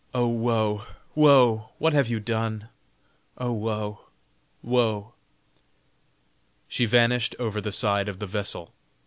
Oh woe, woe! what have you done! Oh woe, woe!" She vanished over the side of the vessel.